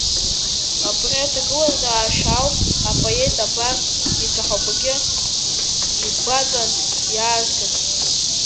Абри аҭагылазаашьа ауп апоет абарҭ ицәаҳәақәагьы игәаҵантә иаазгаз…